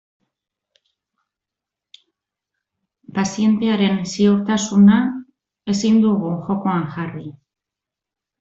Pazientearen ziurtasuna ezin dugu jokoan jarri.